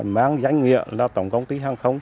mang danh nghĩa là tổng công ty hàng không